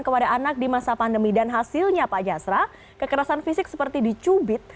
kepada anak di masa pandemi dan hasilnya pak jasra kekerasan fisik seperti dicubit